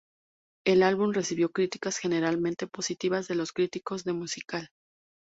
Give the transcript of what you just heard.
El álbum recibió críticas generalmente positivas de los críticos de musical.